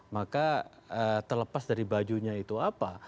maka terlepas dari bajunya itu apa